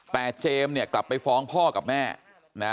แต่เจมส์เนี่ยกลับไปฟ้องพ่อกับแม่นะ